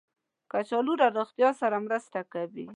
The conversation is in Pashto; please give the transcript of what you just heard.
کچالو له روغتیا سره مرسته کوي